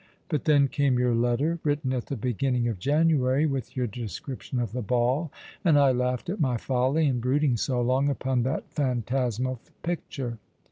But then came your letter — written at the beginning of January, with your descriiotion of the ball— and I laughed at my folly in brooding so long upon that phantasmal picture.